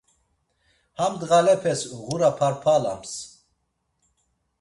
ham ndğalepes ğura p̌arp̌alams.